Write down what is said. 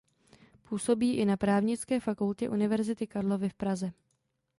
Působí i na Právnické fakultě Univerzity Karlovy v Praze.